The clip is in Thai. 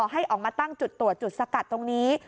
ให้ออกมาตั้งจุดตรวจจุดสกัดตรงนี้